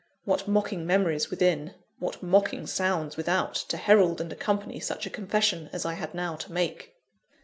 What mocking memories within, what mocking sounds without, to herald and accompany such a confession as I had now to make!